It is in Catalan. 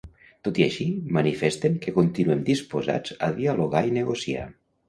Tot i així, manifesten que continuem disposats a dialogar i negociar.